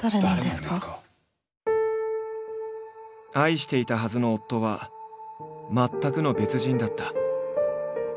愛していたはずの夫は全くの別人だった。